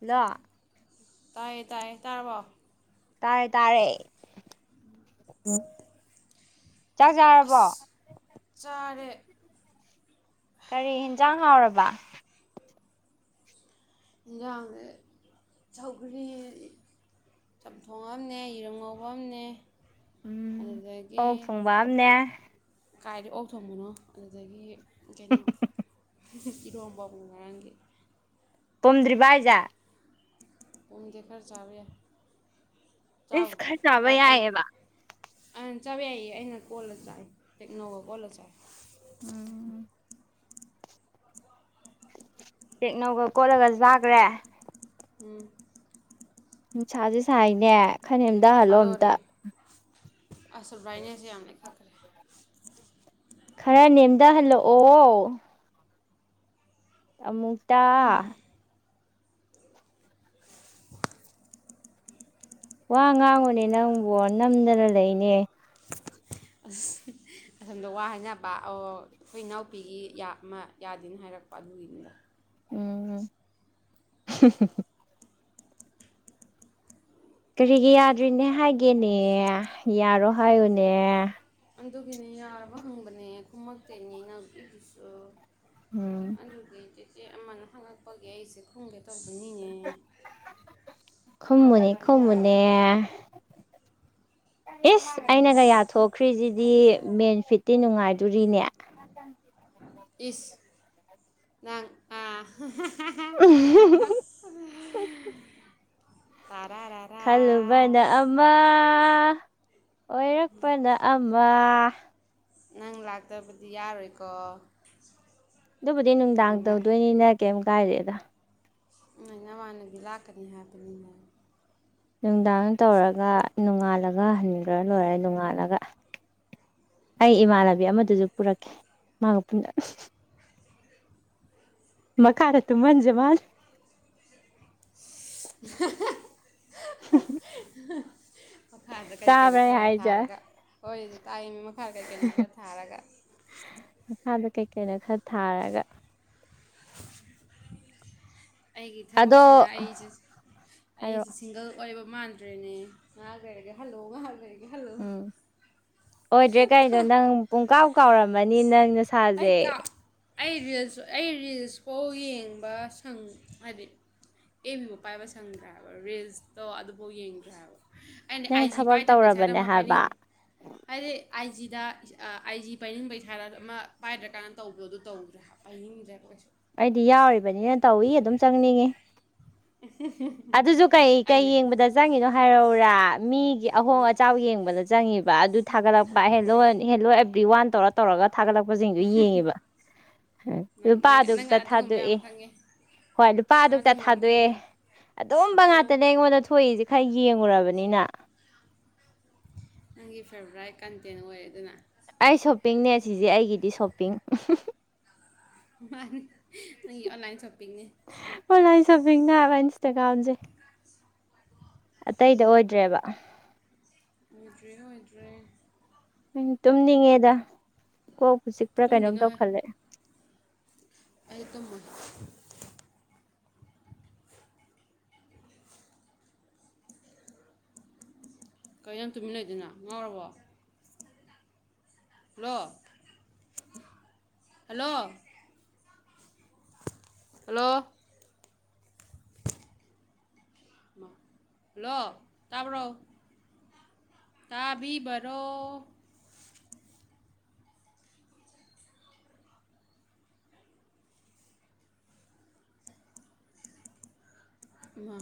hello ꯇꯥꯏꯌꯦ ꯇꯥꯏꯌꯦ ꯇꯥꯔꯕꯣ ꯇꯥꯔꯦ ꯇꯥꯔꯦ ꯆꯥꯛ ꯆꯥꯔꯕꯣ ꯑꯁ ꯆꯔꯦ ꯀꯔꯤ ꯌꯦꯟꯖꯥꯡ ꯍꯥꯎꯔꯕ ꯁꯥꯎꯒꯔꯤ ꯆꯝꯊꯣꯡ ꯑꯃꯅꯦ ꯌꯦꯔꯨꯝ ꯉꯧꯕ ꯑꯃꯅꯦ ꯎꯝ ꯑꯗꯨꯗꯗꯒꯤ ꯑꯣꯛ ꯊꯣꯡꯕ ꯑꯝꯅꯦ ꯀꯥꯏꯗ ꯑꯣꯛ ꯊꯣꯡꯕꯅꯣ ꯑꯗꯨꯗꯒꯤ ꯀꯩꯅꯣ ꯏꯔꯣꯝꯕꯥꯎꯕꯨ ꯉꯔꯥꯡꯒꯦ ꯇꯣꯝꯗ꯭ꯔꯤꯕ ꯑꯩꯖꯥ ꯄꯨꯡꯗꯤ ꯈꯔ ꯆꯥꯕ ꯌꯥꯏ ꯏꯁ ꯆꯥꯕꯗꯤ ꯈꯔ ꯆꯥꯕ ꯑꯩꯅ ꯌꯥꯏꯌꯦꯕ ꯑ ꯆꯥꯕ ꯌꯥꯏꯌꯦ ꯑꯩꯅ ꯀꯣꯜꯂ ꯆꯥꯏ ꯏꯦꯛꯅꯣꯒ ꯀꯣꯜꯂ ꯆꯥꯏ ꯎꯝ ꯇꯦꯛꯅꯧꯒ ꯀꯣꯠꯂꯒ ꯆꯥꯈ꯭ꯔꯦ ꯎꯝ ꯅꯨꯡꯁꯥꯁꯦ ꯁꯥꯏꯅꯦ ꯈꯅꯦꯛꯝꯇꯍꯜꯂꯣ ꯑꯝꯇ ꯑꯁꯜ ꯕꯥꯏꯅꯦꯁꯦ ꯌꯥꯝꯅ ꯈꯛꯈ꯭ꯔꯦ ꯈꯔ ꯅꯦꯝꯊꯍꯜꯂꯛꯑꯣ ꯑꯃꯨꯛꯇ ꯋꯥ ꯉꯥꯡꯕꯨꯅꯦ ꯅꯪꯕꯨ ꯅꯝꯗꯅ ꯂꯩꯅꯦ ꯑ ꯑꯁꯣꯝꯗ ꯋꯥ ꯍꯥꯏꯅꯕ ꯑꯣ ꯑꯩꯈꯣꯏ ꯏꯅꯥꯎꯄꯤꯒꯤ ꯑꯃ ꯌꯥꯗꯦꯅ ꯍꯥꯏꯔꯛꯄ ꯑꯗꯨꯒꯤꯅꯤꯗꯣ ꯎꯝ ꯀꯔꯤꯒꯤ ꯌꯥꯗ꯭ꯔꯤꯅꯦ ꯍꯥꯏꯒꯦꯅꯦ ꯌꯥꯔꯣ ꯍꯥꯏꯌꯨꯅꯦ ꯑꯗꯨꯒꯤꯅꯦ ꯌꯥꯔꯕ ꯍꯪꯕꯅꯦ ꯈꯨꯨꯝꯃꯛꯇꯦꯅꯤꯅ ꯏꯗꯨꯁꯨ ꯎꯝ ꯑꯗꯨꯒꯤ ꯆꯦꯆꯦ ꯑꯃꯅ ꯍꯪꯉꯛꯄꯒꯤ ꯑꯩꯁꯦ ꯈꯨꯝꯒꯦ ꯇꯧꯕꯅꯤ ꯀꯨꯝꯅꯤ ꯀꯨꯝꯅꯦ ꯏꯁꯁ ꯑꯩꯅ ꯀꯌꯥ ꯊꯣꯛꯈ꯭ꯔꯤꯁꯤꯗꯤ ꯃꯦꯟ ꯐꯤꯠꯇꯤ ꯅꯨꯡꯉꯥꯏꯗꯣꯔꯤꯅꯦ ꯊ ꯏꯁ ꯅꯪ ꯑ ꯎ [unintelligible] ꯈꯜꯂꯨꯕꯅ ꯑꯃ ꯑꯣꯏꯔꯛꯄꯅ ꯑꯃ ꯅꯪ ꯂꯥꯛꯇꯕꯗꯤ ꯌꯥꯔꯣꯏꯀꯣ ꯑꯗꯨꯕꯨꯗꯤ ꯅꯨꯡꯗꯥꯡ ꯅꯪꯅ ꯇꯧꯗꯣꯏꯅꯤꯅ ꯀꯩꯝ ꯀꯥꯏꯔꯦꯗ ꯅꯃꯥꯟ ꯅꯕꯤ ꯂꯥꯛꯀꯅꯤ ꯍꯥꯏꯕꯅꯤꯍꯦ ꯅꯨꯡꯗꯥꯡ ꯇꯧꯔꯒ ꯅꯣꯡꯉꯥꯜꯂꯒ ꯍꯟꯈ꯭ꯔ ꯂꯣꯏꯔꯦ ꯅꯣꯡꯉꯥꯜꯂꯒ ꯑꯩ ꯏꯃꯥꯟꯅꯕꯤ ꯑꯃꯗꯨꯁꯨ ꯄꯨꯔꯛꯀꯦ ꯃꯥꯒ ꯄꯨ ꯃ ꯀꯥꯔꯠꯇꯨ ꯃꯟꯖ ꯃꯥꯜ ꯑ [unintelligible] ꯃꯈꯪꯈꯥꯗ ꯀꯔꯤ ꯀꯩꯅꯣ ꯇꯥꯕ꯭ꯔꯥ ꯑꯩ ꯈꯔ ꯍꯥꯏꯁꯦ ꯊꯥꯔꯒ ꯍꯣꯏ ꯇꯥꯛꯏꯅꯦ ꯃꯈꯥ ꯀꯩꯀꯩꯅꯣ ꯈꯔ ꯊꯥꯔꯒ ꯃꯈꯥꯗ ꯀꯩꯀꯩꯅ ꯈꯔ ꯊꯥꯔꯒ ꯑꯩꯒꯤ ꯑꯗꯣ ꯊꯕꯛꯁꯤꯅ ꯑꯩꯁꯤ ꯑꯩꯁꯤ ꯍꯥꯏꯔꯛꯑꯣ ꯁꯤꯡꯒꯜ ꯑꯣꯏꯕ ꯃꯥꯟꯗ꯭ꯔꯦꯅꯦ ꯉꯍꯥ ꯀꯩꯔꯒꯦ ꯍꯜꯂꯣꯨ ꯉꯥ ꯀꯩꯔꯒꯦ ꯍꯜꯂꯣ ꯎꯝ ꯑꯣꯏꯗ꯭ꯔꯦ ꯀꯩꯅꯣ ꯅꯪ ꯄꯨꯡꯀꯥꯎꯛ ꯀꯥꯎꯔꯝꯃꯅꯤ ꯅꯪ ꯑꯩ ꯅꯁꯥꯁꯦ ꯀꯥ ꯑꯩ ꯔꯤꯜꯁ ꯑꯩ ꯔꯤꯜꯁ ꯐꯥꯎ ꯌꯦꯡꯕ ꯁꯪ ꯍꯥꯏꯗꯤ ꯑꯦꯝꯃꯤꯕ ꯄꯥꯏꯕ ꯁꯪꯗ꯭ꯔꯦꯕ ꯔꯤꯁꯇꯣ ꯑꯗꯨꯐꯥꯎ ꯌꯦꯡꯗ꯭ꯔꯦ ꯍꯥꯏꯕ ꯑꯩꯅ ꯅꯪ ꯑꯥꯏ ꯖꯤ ꯊꯕꯛ ꯄꯥꯏꯗꯕꯗ ꯏꯁꯔ ꯇꯧꯔꯕꯅꯦ ꯑꯃ ꯍꯥꯏꯕ ꯄꯥꯏꯅꯤꯡ ꯍꯥꯏꯗꯤ ꯑꯥꯏ ꯖꯤꯗ ꯑꯥꯏ ꯖꯤ ꯄꯥꯏꯅꯤꯡꯕꯩꯥꯔ ꯑꯃ ꯄꯥꯏꯗ꯭ꯔꯀꯥꯟꯅ ꯇꯧꯕꯣ ꯑꯗꯨ ꯇꯧꯗ꯭ꯔꯦ ꯑꯩꯗ ꯀ ꯑꯩꯗꯤ ꯌꯥꯎꯔꯤꯕꯅꯤꯅ ꯇꯧꯏ ꯑꯗꯨꯝ ꯆꯪꯅꯤꯡꯏꯤ [unintelligible] ꯑꯗꯨꯁꯨ ꯀꯩ ꯀꯩ ꯑꯩꯅ ꯌꯦꯡꯕꯗ ꯆꯪꯉꯤꯅꯣ ꯍꯥꯏꯔꯧꯎꯔꯥ ꯃꯤꯒꯤ ꯑꯍꯣꯡ ꯑꯆꯥꯎꯕ ꯌꯦꯡꯕꯗ ꯆꯪꯉꯤꯕ ꯑꯗꯨ ꯊꯥꯒꯠꯂꯛꯄ ꯍꯦꯜꯂꯣ ꯍꯦꯜꯂꯣ ꯑꯦꯕ꯭ꯔꯤ ꯋꯥꯟ ꯇꯧꯔ ꯇꯧꯔꯒ ꯊꯥꯒꯠꯂꯛꯄꯁꯤꯡꯁꯨ ꯌꯦꯡꯉꯦꯕ ꯅꯪ ꯂꯨꯄꯥ ꯅꯪ ꯅꯪ ꯑꯗꯨꯇ ꯑꯗꯨꯒꯨꯝꯕ ꯌꯥꯝ ꯊꯥꯗꯣꯛꯑꯦ ꯈꯪꯉꯦ ꯍꯣꯏ ꯂꯨꯄꯥ ꯅꯪ ꯑꯗꯨꯇ ꯑꯗꯨꯒꯨꯝꯕ ꯌꯥꯝ ꯊꯥꯗꯣꯛꯑꯦ ꯈꯪꯉꯦ ꯑꯗꯨꯝꯕ ꯑꯥ ꯉꯥꯛꯇꯅꯦ ꯑꯩꯉꯣꯟꯗ ꯊꯣꯛꯏꯁꯦ ꯈꯔ ꯌꯦꯡꯉꯨꯔꯕꯅꯤꯅ [unintelligible] ꯑꯩ ꯁꯣꯞꯄꯤꯡꯅꯦ ꯁꯤꯁꯦ ꯑꯩꯒꯤꯗꯤ ꯁꯣꯞꯄꯤꯡ ꯃꯥ ꯑꯩ ꯑꯣꯟꯂꯥꯏꯟ ꯁꯣꯄꯤꯡꯅꯦ ꯑꯣꯟꯂꯥꯏꯟ ꯁꯣꯄꯤꯡꯅꯕ ꯏꯟꯁꯇꯒ꯭ꯔꯥꯝꯁꯦ ꯑꯇꯩꯗ ꯑꯣꯏꯗ꯭ꯔꯦꯕ ꯑꯣꯏꯏꯗ꯭ꯔꯦ ꯑꯣꯏꯗ꯭ꯔꯦ ꯑꯩꯅ ꯇꯨꯝꯅꯤꯡꯉꯦꯗ ꯀꯣꯛ ꯄꯨꯁꯤꯛꯄ꯭ꯔꯥ ꯀꯩꯅꯣꯝ ꯇꯨꯝꯒꯤꯅꯣꯍꯦ ꯇꯧꯈꯠꯂꯛꯑꯦ ꯑꯩ ꯇꯃ ꯀꯔꯤ ꯌꯥꯝ ꯇꯨꯃꯤꯟꯅ ꯂꯩꯩꯗꯅ ꯉꯥꯎꯔꯕꯣ ꯍꯜꯂꯣ ꯍꯜꯂꯣ ꯍꯜꯂꯣ ꯂꯣ ꯇꯥꯕ꯭ꯔꯣ ꯇꯥꯕꯤ ꯕꯔꯣ ꯃꯥ